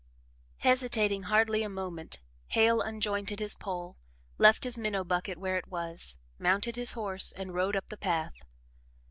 Hesitating hardly a moment, Hale unjointed his pole, left his minnow bucket where it was, mounted his horse and rode up the path.